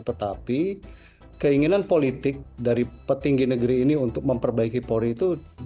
tetapi keinginan politik dari petinggi negeri ini untuk memperbaiki polri itu